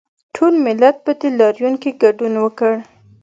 ټول ملت په دې لاریون کې ګډون وکړ